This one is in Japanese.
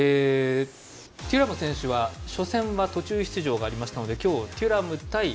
テュラム選手は初戦は途中出場がありましたので今日、テュラム対